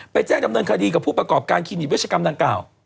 แจ้งดำเนินคดีกับผู้ประกอบการคลินิกเวชกรรมดังกล่าว